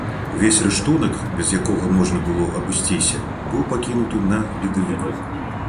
Увесь рыштунак, без якога можна было абысціся, быў пакінуты на ледавіку.